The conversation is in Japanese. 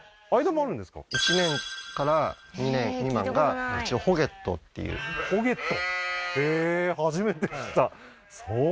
１年から２年未満が一応ホゲットっていうホゲット？